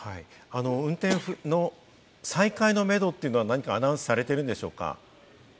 運転の再開のめどは何かアナウンスされているんでしょうか？